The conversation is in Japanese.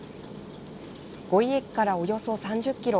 五井駅からおよそ３０ｋｍ。